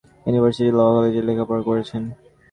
তিনি presidency college ও university law কলেজে লেখাপড়া করেছেন।